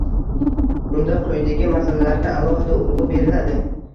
unda quyidagi masalalarga alohida urg‘u beriladi: